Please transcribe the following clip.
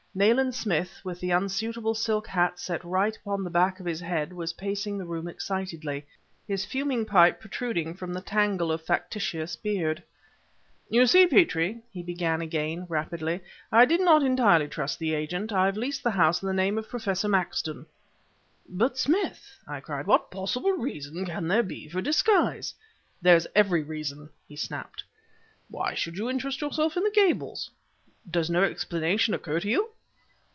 Nayland Smith, with the unsuitable silk hat set right upon the back of his head, was pacing the room excitedly, his fuming pipe protruding from the tangle of factitious beard. "You see, Petrie," he began again, rapidly, "I did not entirely trust the agent. I've leased the house in the name of Professor Maxton..." "But, Smith," I cried, "what possible reason can there be for disguise?" "There's every reason," he snapped. "Why should you interest yourself in the Gables?" "Does no explanation occur to you?"